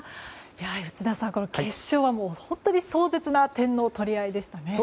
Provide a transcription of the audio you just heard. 内田さん、決勝は壮絶な点の取り合いでしたね。